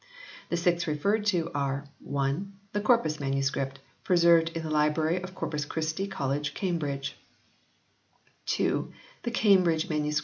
The six referred to are (1) the Corpus MS. preserved in the library of Corpus Christi College, Cambridge ; (2) the Cambridge MS.